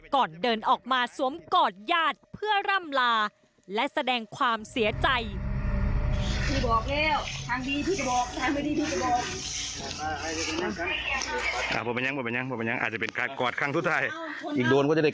ก่อนเดินออกมาสวมกอดญาติเพื่อร่ำลาและแสดงความเสียใจ